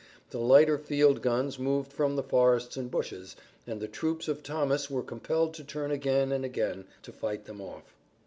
The lighter field guns moved from the forests and bushes, and the troops of Thomas were compelled to turn again and again to fight them off.